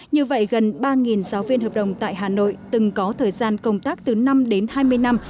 như vậy gần ba giáo viên hợp đồng tại hà nội từng có thời gian công tác từ năm đến hai mươi năm